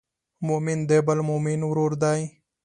مؤمن د بل مؤمن ورور دی.